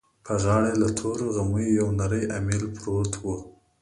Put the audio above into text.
په غاړه يې له تورو غميو يو نری اميل پروت و.